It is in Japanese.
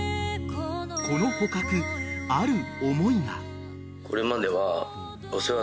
［この捕獲ある思いが］